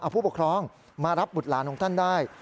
ผู้ปกครองมารับบุตรหลานของท่านได้